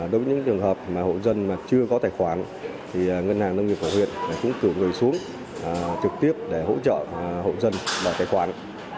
đối với những trường hợp hộ dân chưa có tài khoản ngân hàng nông nghiệp của huyện cũng cử người xuống trực tiếp để hỗ trợ hộ dân và tài khoản